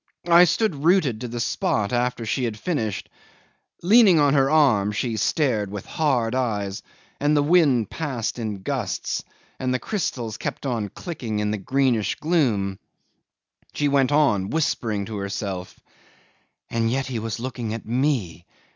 I stood rooted to the spot after she had finished. Leaning on her arm, she stared with hard eyes, and the wind passed in gusts, the crystals kept on clicking in the greenish gloom. She went on whispering to herself: "And yet he was looking at me!